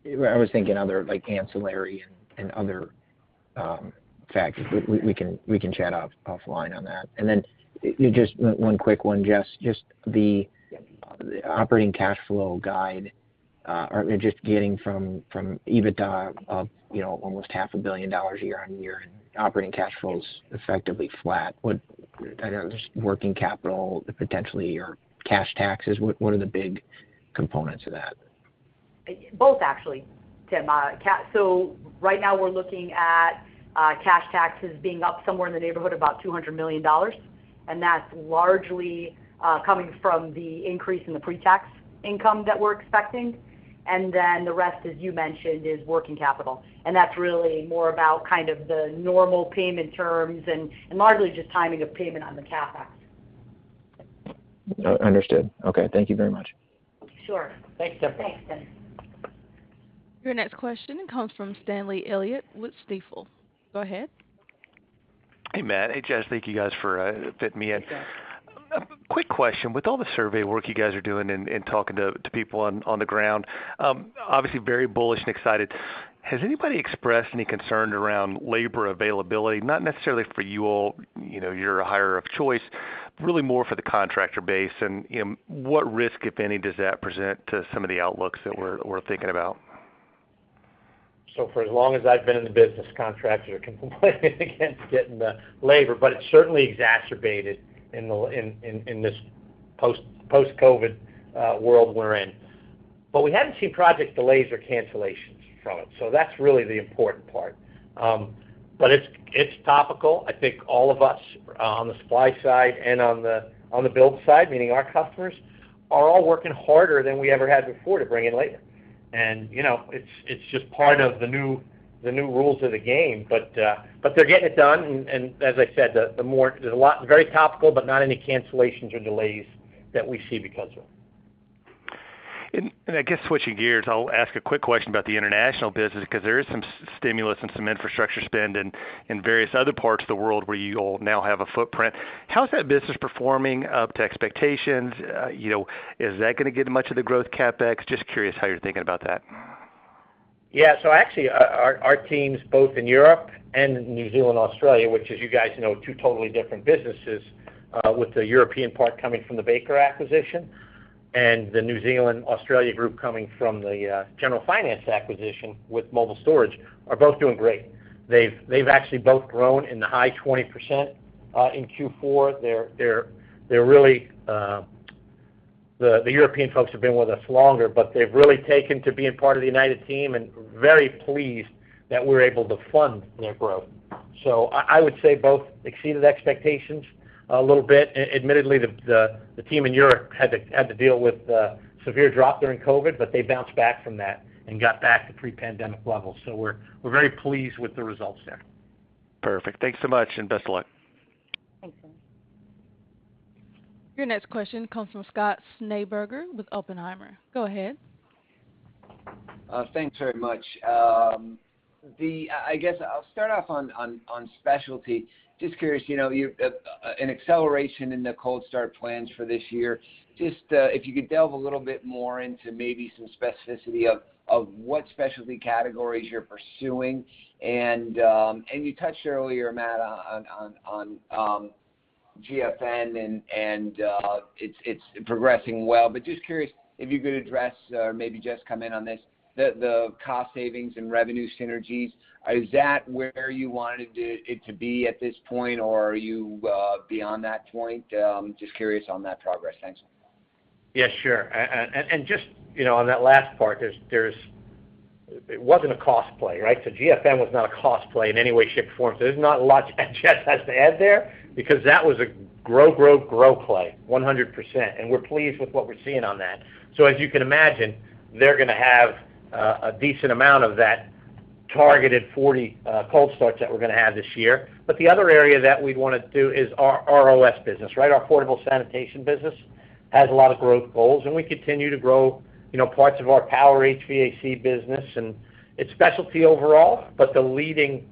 I was thinking other like ancillary and other factors. We can chat offline on that. Just one quick one, Jess. Just the operating cash flow guide, or just getting from EBITDA of almost half a billion dollars year-over-year and operating cash flows effectively flat. What? I know there's working capital potentially or cash taxes. What are the big components of that? Both actually, Tim. So right now we're looking at cash taxes being up somewhere in the neighborhood of about $200 million, and that's largely coming from the increase in the pre-tax income that we're expecting. The rest, as you mentioned, is working capital. That's really more about kind of the normal payment terms and largely just timing of payment on the CapEx. Understood. Okay, thank you very much. Sure. Thanks, Tim. Thanks, Tim. Your next question comes from Stanley Elliott with Stifel. Go ahead. Hey, Matt. Hey, Jess. Thank you guys for fitting me in. You bet. Quick question. With all the survey work you guys are doing and talking to people on the ground, obviously very bullish and excited. Has anybody expressed any concern around labor availability? Not necessarily for you all, you know, you're a hirer of choice, really more for the contractor base. You know, what risk, if any, does that present to some of the outlooks that we're thinking about? For as long as I've been in the business, contractors are complaining about getting the labor, but it's certainly exacerbated in this post-COVID world we're in. We haven't seen project delays or cancellations from it. That's really the important part. It's topical. I think all of us on the supply side and on the build side, meaning our customers, are all working harder than we ever had before to bring in labor. You know, it's just part of the new rules of the game. They're getting it done. As I said, very topical, but not any cancellations or delays that we see because of it. I guess switching gears, I'll ask a quick question about the international business because there is some stimulus and some infrastructure spend in various other parts of the world where you all now have a footprint. How's that business performing up to expectations? You know, is that going to get much of the growth CapEx? Just curious how you're thinking about that. Yeah. Actually, our teams both in Europe and New Zealand, Australia, which as you guys know, two totally different businesses, with the European part coming from the BakerCorp acquisition and the New Zealand Australia group coming from the General Finance acquisition with mobile storage are both doing great. They've actually both grown in the high 20% in Q4. The European folks have been with us longer, but they've really taken to being part of the United team and very pleased that we're able to fund their growth. So I would say both exceeded expectations a little bit. Admittedly, the team in Europe had to deal with severe drop during COVID, but they bounced back from that and got back to pre-pandemic levels. So we're very pleased with the results there. Perfect. Thanks so much, and best of luck. Thanks, Stanley. Your next question comes from Scott Schneeberger with Oppenheimer. Go ahead. Thanks very much. I guess I'll start off on specialty. Just curious, you know, there's an acceleration in the cold start plans for this year. Just, if you could delve a little bit more into maybe some specificity of what specialty categories you're pursuing. You touched earlier, Matt, on GFN and it's progressing well. Just curious if you could address or maybe just come in on the cost savings and revenue synergies. Is that where you wanted it to be at this point, or are you beyond that point? Just curious on that progress. Thanks. Yeah, sure. Just, you know, on that last part. It wasn't a cost play, right? GFN was not a cost play in any way, shape, or form. There's not a lot Jess has to add there because that was a grow play 100%. We're pleased with what we're seeing on that. As you can imagine, they're gonna have a decent amount of that targeted 40 cold starts that we're gonna have this year. The other area that we'd wanna do is our ROS business, right? Our portable sanitation business has a lot of growth goals, and we continue to grow, you know, parts of our Power & HVAC business and its specialty overall. The leading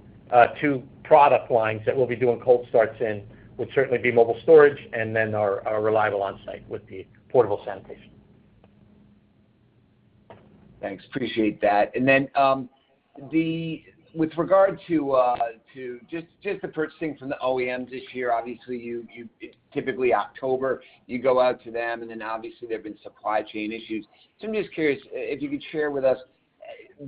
two product lines that we'll be doing cold starts in would certainly be mobile storage and then our Reliable Onsite with the portable sanitation. Thanks. Appreciate that. With regard to just the purchasing from the OEMs this year, obviously, you typically October you go out to them, and then obviously there have been supply chain issues. I'm just curious if you could share with us,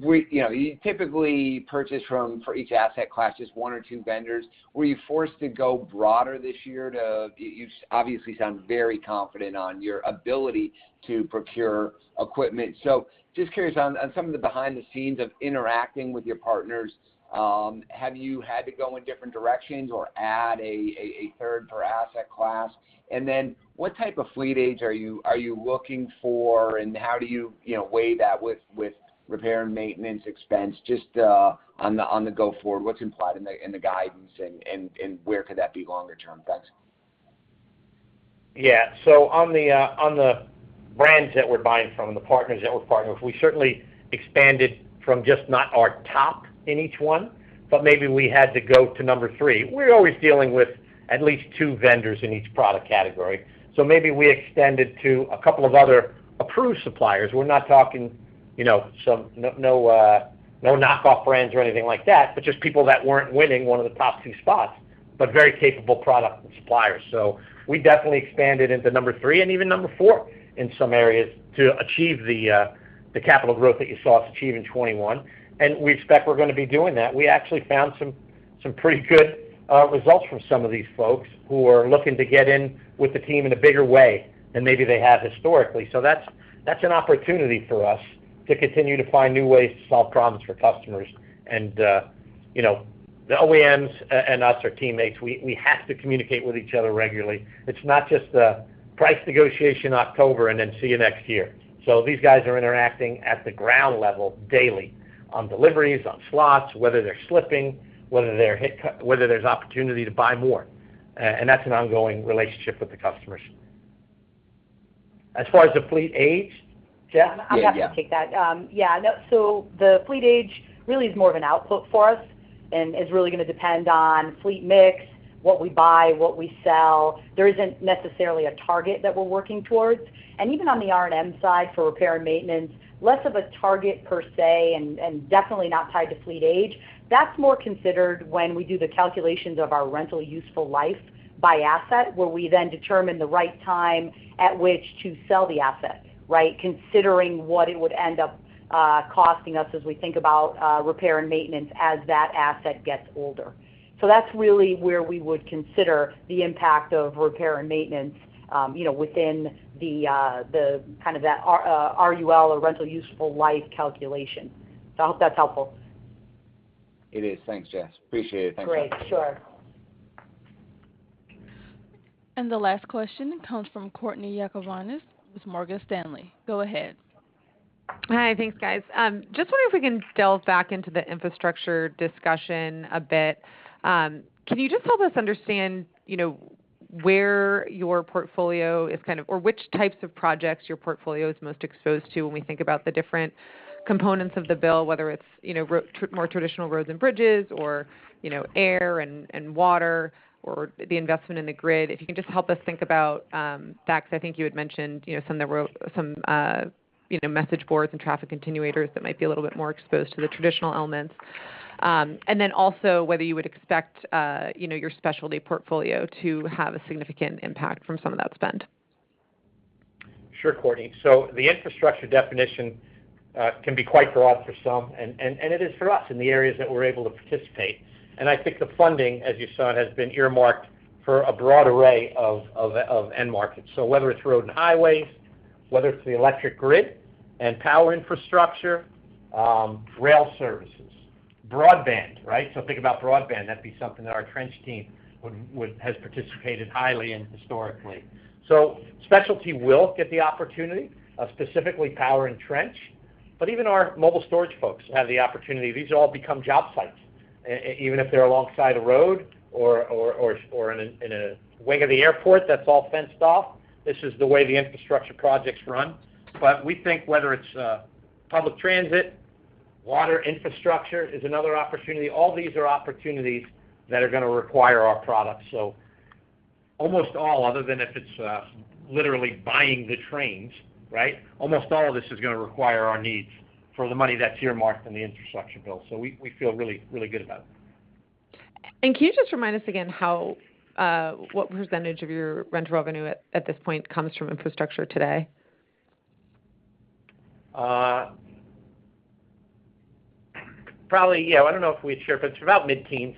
you know, you typically purchase from, for each asset class, just one or two vendors. Were you forced to go broader this year. You obviously sound very confident on your ability to procure equipment. Just curious on some of the behind-the-scenes of interacting with your partners, have you had to go in different directions or add a third per asset class? What type of fleet age are you looking for, and how do you know, weigh that with repair and maintenance expense? Just, on the going forward, what's implied in the guidance and where could that be longer term? Thanks. Yeah. On the brands that we're buying from and the partners that we're partnering with, we certainly expanded from just not our top in each one, but maybe we had to go to number three. We're always dealing with at least two vendors in each product category. Maybe we extended to a couple of other approved suppliers. We're not talking, you know, no knockoff brands or anything like that, but just people that weren't winning one of the top two spots, but very capable product suppliers. We definitely expanded into number three and even number four in some areas to achieve the capital growth that you saw us achieve in 2021, and we expect we're gonna be doing that. We actually found some pretty good results from some of these folks who are looking to get in with the team in a bigger way than maybe they have historically. That's an opportunity for us to continue to find new ways to solve problems for customers and, you know, the OEMs and us are teammates. We have to communicate with each other regularly. It's not just a price negotiation in October and then see you next year. These guys are interacting at the ground level daily on deliveries, on slots, whether they're slipping, whether there's opportunity to buy more. And that's an ongoing relationship with the customers. As far as the fleet age, Jess? I'm happy to take that. The fleet age really is more of an output for us and is really gonna depend on fleet mix, what we buy, what we sell. There isn't necessarily a target that we're working towards. Even on the R&M side, for repair and maintenance, less of a target per se, and definitely not tied to fleet age. That's more considered when we do the calculations of our rental useful life by asset, where we then determine the right time at which to sell the asset, right? Considering what it would end up costing us as we think about repair and maintenance as that asset gets older. That's really where we would consider the impact of repair and maintenance, you know, within the kind of that R-U-L or rental useful life calculation. I hope that's helpful. It is. Thanks, Jess. Appreciate it. Thanks. Great. Sure. The last question comes from Courtney Yakavonis with Morgan Stanley. Go ahead. Hi. Thanks, guys. Just wondering if we can delve back into the infrastructure discussion a bit. Can you just help us understand, you know, where your portfolio is kind of or which types of projects your portfolio is most exposed to when we think about the different components of the bill, whether it's, you know, more traditional roads and bridges or, you know, air and water or the investment in the grid? If you can just help us think about that, because I think you had mentioned, you know, some of the message boards and traffic attenuators that might be a little bit more exposed to the traditional elements. And then also whether you would expect, you know, your specialty portfolio to have a significant impact from some of that spend. Sure, Courtney. The infrastructure definition can be quite broad for some, and it is for us in the areas that we're able to participate. I think the funding, as you saw, has been earmarked for a broad array of end markets. Whether it's roads and highways, whether it's the electric grid and power infrastructure, rail services, broadband, right? Think about broadband. That'd be something that our trench team has participated highly in historically. Specialty will get the opportunity, specifically power and trench, but even our mobile storage folks have the opportunity. These all become job sites, even if they're alongside a road or in a wing of the airport that's all fenced off. This is the way the infrastructure projects run. We think whether it's public transit, water infrastructure is another opportunity. All these are opportunities that are gonna require our products. Almost all other than if it's literally buying the trains, right? Almost all of this is gonna require our needs for the money that's earmarked in the infrastructure bill. We feel really, really good about it. Can you just remind us again how what percentage of your rental revenue at this point comes from infrastructure today? Probably. Yeah, I don't know if we'd share, but it's about mid-teens.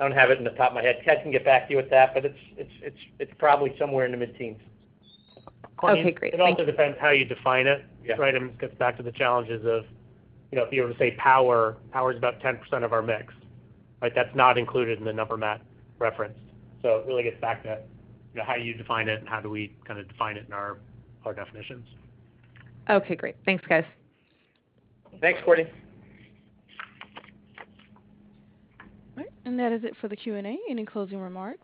I don't have it in the top of my head. Ted can get back to you with that, but it's probably somewhere in the mid-teens. Okay, great. Thank you. I mean, it also depends how you define it, right? Yeah. It gets back to the challenges of, you know, if you were to say power is about 10% of our mix, right? That's not included in the number Matt referenced. It really gets back to, you know, how you define it and how do we kinda define it in our definitions. Okay, great. Thanks, guys. Thanks, Courtney. All right. That is it for the Q&A. Any closing remarks?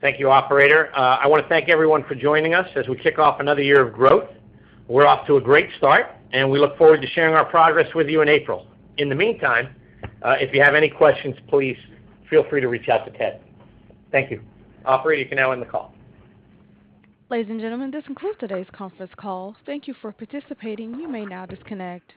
Thank you, operator. I wanna thank everyone for joining us as we kick off another year of growth. We're off to a great start, and we look forward to sharing our progress with you in April. In the meantime, if you have any questions, please feel free to reach out to Ted. Thank you. Operator, you can now end the call. Ladies and gentlemen, this concludes today's conference call. Thank you for participating. You may now disconnect.